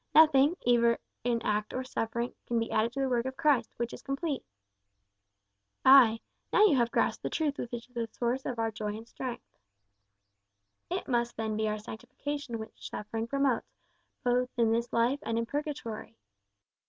Nothing, either in act or suffering, can be added to the work of Christ, which is complete." "Ay, now you have grasped the truth which is the source of our joy and strength." "It must then be our sanctification which suffering promotes, both in this life and in purgatory."